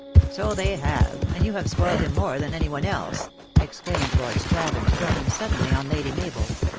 " So they have ; and you have spoiled him more than any one else," exclaimed Lord Strathern turning suddenly on Lady Mabel.